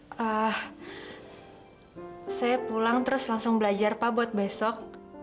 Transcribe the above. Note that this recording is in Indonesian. saya pulang terus langsung belajar pak buat besok